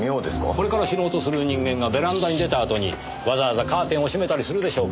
これから死のうとする人間がベランダに出たあとにわざわざカーテンを閉めたりするでしょうかね。